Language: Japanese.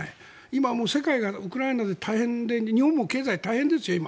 今、世界がウクライナで大変で日本も経済大変ですよ、今。